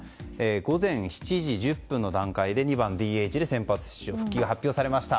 午前７時１０分の段階で２番ＤＨで先発で復帰が発表されました。